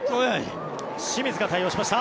清水が対応しました。